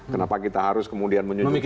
kenapa kita harus kemudian menyunjung tinggi